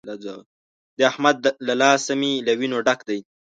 د احمد له لاسه مې له وينو ډک دی.